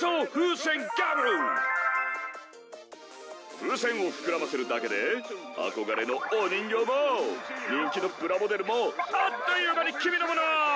フーセンを膨らませるだけで憧れのお人形も人気のプラモデルもあっという間に君のもの！